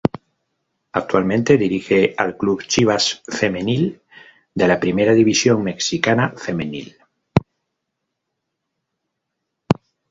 Actualmente, dirige al club Chivas Femenil, de la Primera División Mexicana Femenil